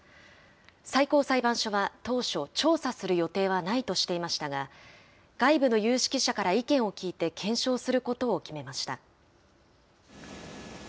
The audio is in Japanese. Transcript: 最高裁判所は当初、調査する予定はないとしていましたが、外部の有識者から意見を聞いて検証することを決めました。